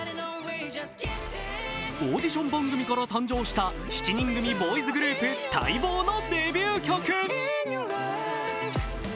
オーディション番組から誕生した７人組ボーイズグループ、待望のデビュー曲。